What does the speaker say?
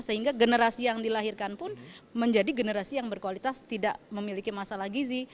sehingga generasi yang dilahirkan pun menjadi generasi yang berkualitas tidak memiliki masalah gizi